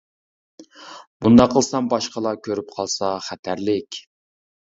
-بۇنداق قىلسام باشقىلار كۆرۈپ قالسا خەتەرلىك.